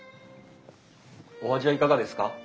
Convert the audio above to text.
お味はいかがですか？